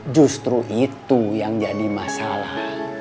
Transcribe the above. justru itu yang jadi masalah